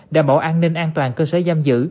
đảm bảo an ninh an toàn cơ sở giam giữ